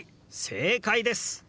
正解です！